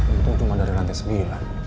untung cuma dari lantai sembilan